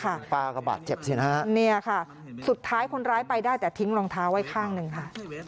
คุณป้าก็บาดเจ็บสินะฮะเนี่ยค่ะสุดท้ายคนร้ายไปได้แต่ทิ้งรองเท้าไว้ข้างหนึ่งค่ะ